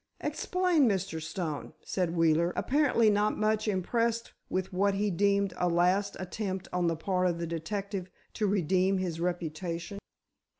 "Explain, Mr. Stone," said Wheeler, apparently not much impressed with what he deemed a last attempt on the part of the detective to redeem his reputation.